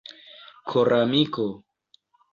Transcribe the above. koramiko